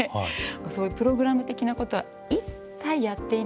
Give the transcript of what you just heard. そういうプログラム的なことは一切やっていなくて。